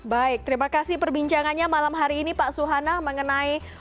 baik terima kasih perbincangannya malam hari ini pak ahli